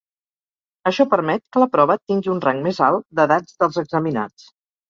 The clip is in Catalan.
Això permet que la prova tingui un rang més alt d'edats dels examinats.